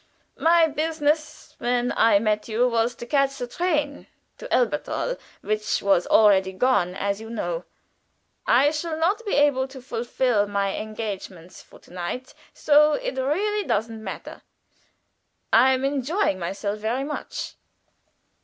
"My business, when I met you, was to catch the train to Elberthal, which was already gone, as you know. I shall not be able to fulfill my engagements for to night, so it really does not matter. I am enjoying myself very much."